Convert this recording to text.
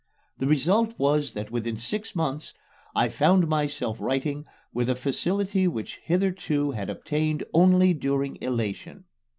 The result was that within six months I found myself writing with a facility which hitherto had obtained only during elation.